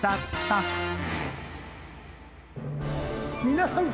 皆さん。